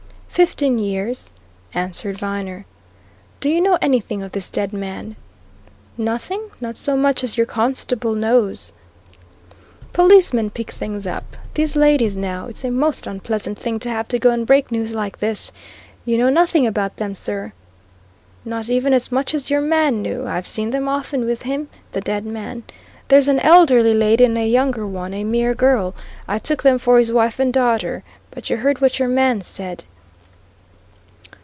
"Fifteen years," answered Viner. "Do you know anything of this dead man?" "Nothing not so much as your constable knows." "Policemen pick things up. These ladies, now? It's a most unpleasant thing to have to go and break news like this. You know nothing about them, sir?" "Not even as much as your man knew. I've seen them often with him, the dead man. There's an elderly lady and a younger one, a mere girl. I took them for his wife and daughter. But you heard what your man said."